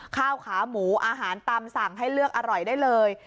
ข้าวขาหมูอาหารตำสั่งให้เลือกอร่อยได้เลย